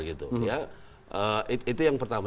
itu yang pertama